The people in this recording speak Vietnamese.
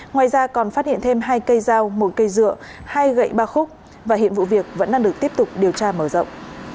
ngoài ra còn phát hiện thêm hai cây dao một cây dựa hai gậy ba khúc và hiện vụ việc vẫn đang được tiếp tục điều tra mở rộng